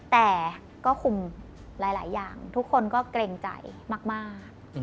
แต่ก็คุมหลายอย่างทุกคนก็เกรงใจมาก